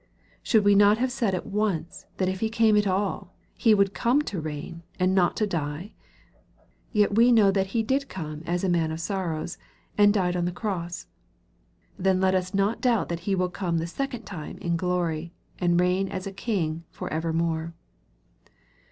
Should we not have said at once, that if He came at all, He would come to reign, and not to die ? Yet we know that He did come as "a man of sorrows," and died on the cross. Then let us not doubt that He will come the second time in glory, and reign as a King for evermore.